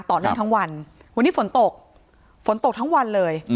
ต่อเนื่องทั้งวันวันนี้ฝนตกฝนตกทั้งวันเลย